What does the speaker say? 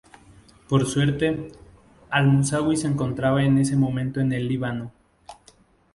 Por suerte, al-Musawi se encontraba en ese momento en el Líbano.